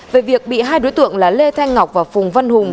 về việc bị hai đối tượng là lê thanh ngọc và phùng văn hùng